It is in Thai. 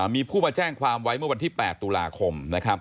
มีผู้มาแจ้งความไว้เมื่อวันที่๘ตุลาคมนะครับ